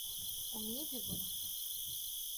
ও নিয়ে ভেবো না।